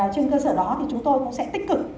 trên cơ sở đó thì chúng tôi cũng sẽ tích cực